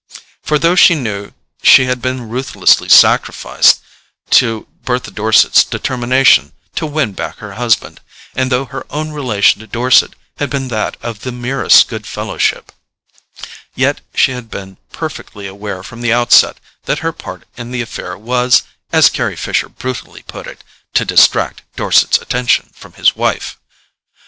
For though she knew she had been ruthlessly sacrificed to Bertha Dorset's determination to win back her husband, and though her own relation to Dorset had been that of the merest good fellowship, yet she had been perfectly aware from the outset that her part in the affair was, as Carry Fisher brutally put it, to distract Dorset's attention from his wife.